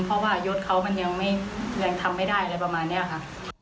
เพราะว่ายศเขามันยังทำไม่ได้อะไรประมาณนี้ค่ะ